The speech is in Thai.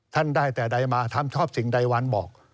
ท่านได้แต่ใดมาทำชอบสิ่งใดวันบอก